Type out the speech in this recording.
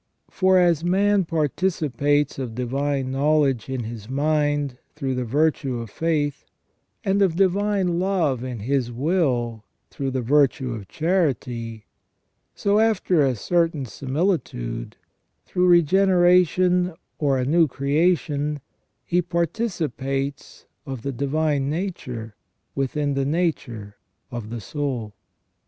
For as man participates of divine knowledge in his mind through the virtue of faith, and of divine love in his will through the virtue of charity, so, after a certain similitude, through regeneration or a new creation, he par ticipates of the divine nature within the nature of the soul.